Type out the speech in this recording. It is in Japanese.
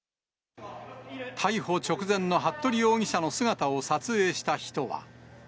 逮捕直前の服部容疑者の姿を撮影した人は。